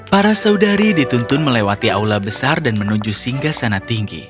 para saudari dituntun melewati aula besar dan menuju singgah sana tinggi